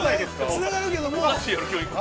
◆つながるけども。